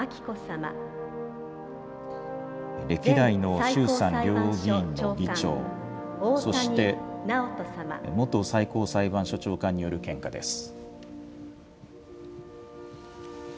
歴代の衆参両議院の議長、そして元最高裁判所長官による献花です。